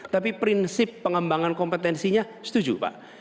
tapi prinsip pengembangan kompetensinya setuju pak